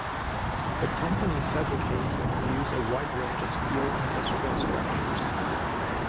The company fabricates and builds a wide range of steel industrial structures.